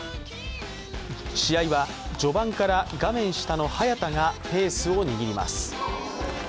試合は序盤から画面下の早田がペースを握ります。